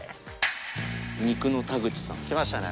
肉の田口さん。来ましたね